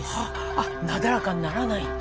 あっなだらかにならないんだ。